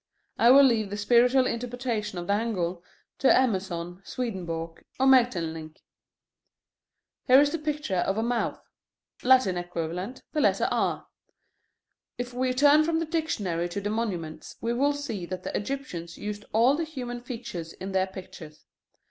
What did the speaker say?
I will leave the spiritual interpretation of the angle to Emerson, Swedenborg, or Maeterlinck. Here is the picture of a mouth: Latin equivalent, the letter R. If we turn from the dictionary to the monuments, we will see that the Egyptians used all the human features in their pictures.